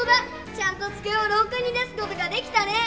ちゃんとつくえをろうかに出すことができたね！